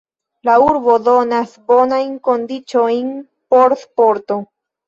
La urbo donas bonajn kondiĉojn por sporto.